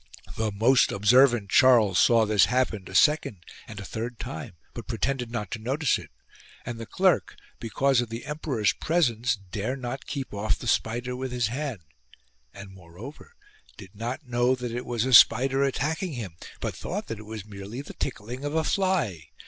The most observant Charles saw this happen a second and a third time, but pretended not to notice it, and the clerk, because of the emperor's presence, dare not keep off the spider with his hand, and moreover did not know that it was a spider attacking him, but thought that it was merely the tickling of a fly.